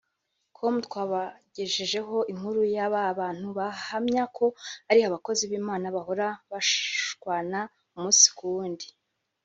com twabagejejeho inkuru y’aba bantu bahamya ko ari abakozi b’Imana bahora bashwana umunsi ku wundi